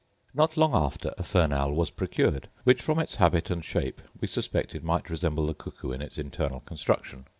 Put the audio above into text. Not long after a fern owl was procured, which, from its habit and shape, we suspected might resemble the cuckoo in its internal construction.